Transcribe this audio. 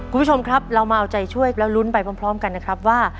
คุณผู้ชมครับเรามาเอาใจช่วยแล้วลุ้นไปพร้อมกันนะครับว่า